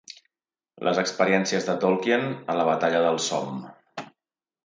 Les experiències de Tolkien a la Batalla del Somme.